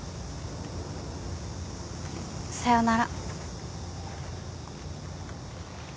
さよなら。